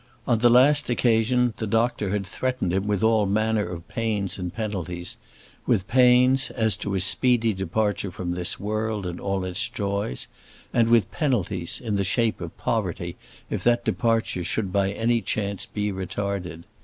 On the last occasion, the doctor had threatened him with all manner of pains and penalties: with pains, as to his speedy departure from this world and all its joys; and with penalties, in the shape of poverty if that departure should by any chance be retarded.